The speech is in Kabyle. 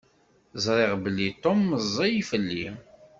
Ẓṛiɣ belli Tom meẓẓi fell-i.